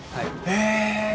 へえ。